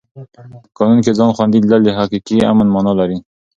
په قانون کې ځان خوندي لیدل د حقیقي امن مانا لري.